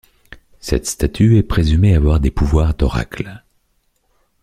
Cette statue est présumée avoir des pouvoirs d'oracle.